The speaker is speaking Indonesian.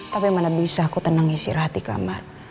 tapi mana bisa aku tenang istirahat di kamar